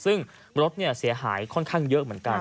ซึ่งรถเสียหายค่อนข้างเยอะเหมือนกัน